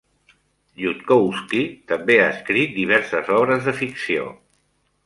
Yudkowsky també ha escrit diverses obres de ficció.